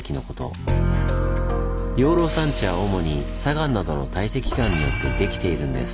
養老山地は主に砂岩などの堆積岩によってできているんです。